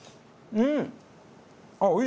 うん。